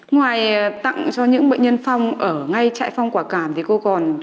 ngoài tặng cho những bệnh nhân phong ở ngay trại phong quả cảm thì cô còn